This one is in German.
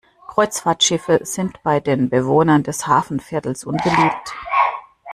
Kreuzfahrtschiffe sind bei den Bewohnern des Hafenviertels unbeliebt.